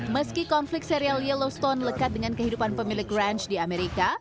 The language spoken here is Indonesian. meski konflik serial yellowstone lekat dengan kehidupan pemilik ranch di amerika